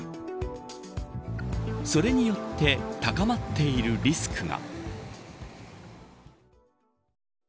それによって高まっているリスクが。